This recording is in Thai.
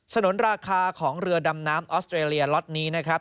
นุนราคาของเรือดำน้ำออสเตรเลียล็อตนี้นะครับ